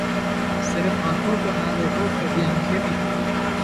صرف ہاتھوں کو نہ دیکھو کبھی آنکھیں بھی پڑھو